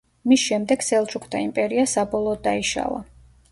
მის შემდეგ სელჩუკთა იმპერია საბოლოოდ დაიშალა.